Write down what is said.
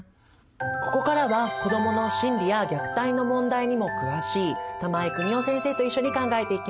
ここからは子どもの心理や虐待の問題にも詳しい玉井邦夫先生と一緒に考えていきます。